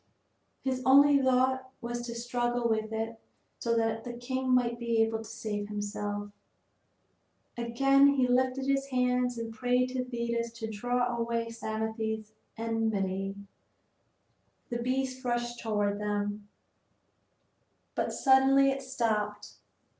His only thought was to struggle with it so that the king might be able to save himself. Again he lifted up his hands and prayed to Thetis to draw away Psamathe's enmity. The beast rushed toward them; but suddenly it stopped.